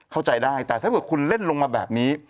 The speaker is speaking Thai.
เข้าใจได้แต่ถ้าเกิดคุณเล่นลงมาแบบนี้